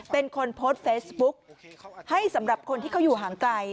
เป็นคนโพสต์เฟซบุ๊กให้สำหรับคนที่เขาอยู่ห่างไกล